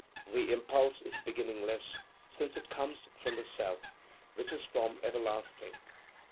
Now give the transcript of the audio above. The impulse is beginningless, since it comes from the Self, which is from everlasting.